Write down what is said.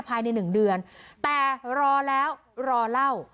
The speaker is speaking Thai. ภายในหนึ่งเดือนแต่รอแล้วรอเล่า